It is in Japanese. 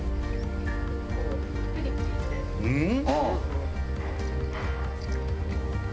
うん？